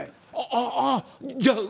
「あっああじゃあ。